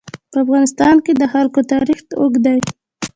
په افغانستان کې د جلګه تاریخ اوږد دی.